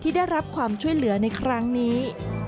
ได้รับความช่วยเหลือในครั้งนี้